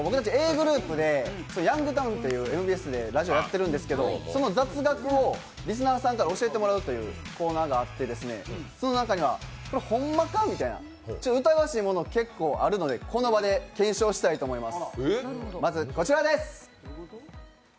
ｇｒｏｕｐで「ヤングタウン」ってＭＢＳでラジオやってるんですけどその雑学をリスナーさんから教えてもらうというコーナーがあってその中には、これホンマかという、疑わしいものが結構あるので、この場で検証したいと思います。